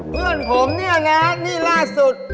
เพื่อนผมเนี่ยนะนี่ล่าสุด